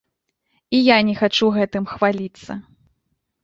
І я не хачу гэтым хваліцца.